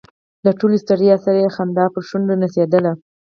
له ټولې ستړیا سره یې خندا پر شونډو نڅېدله.